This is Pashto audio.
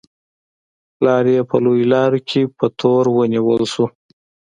پلار یې په لویو لارو کې په تور ونیول شو.